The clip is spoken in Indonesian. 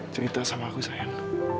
terima kasih sayang